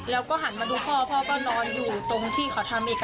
แล้วก็หันมาดูพ่อพ่อก็นอนอยู่ตรงที่เขาทำอีก